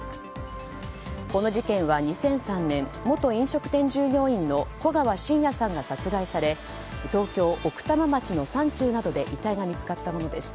この事件は２００３年元飲食店従業員の古川信也さんが殺害され東京・奥多摩町の山中などで遺体が見つかったものです。